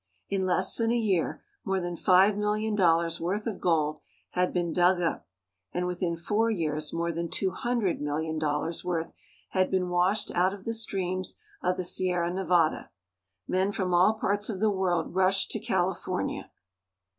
In less than a year more than five million dollars' worth of gold had been dug up ; and within four years more than two hundred million dollars' worth had been washed out of the streams of the Sierra Nevada. Men from all parts of the world rushed to California.